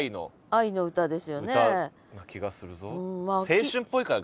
愛の歌な気がするぞ。